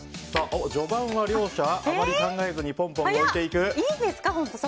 序盤は両者、あまり考えずにぽんぽん置いていきます。